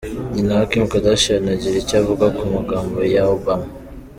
Nyina wa Kim Kardashian agira icyo avuga ku magambo ya Obama:.